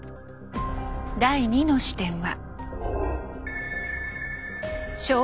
第２の視点は。